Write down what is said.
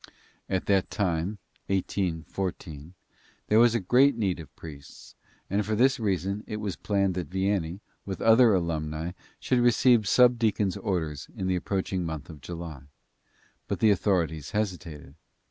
At that time, 1814, there was a great need of priests and, for this reason, it was planned that Vianney, with other alumni should receive subdeacon's orders in the approaching month of July. But the authorities hesitated.